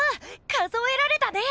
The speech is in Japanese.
数えられたね！